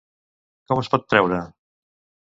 Com es pot treure?